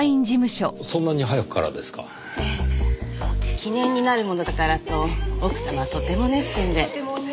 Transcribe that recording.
記念になるものだからと奥様はとても熱心で。